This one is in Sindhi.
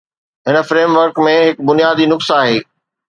هن فريم ورڪ ۾ هڪ بنيادي نقص آهي.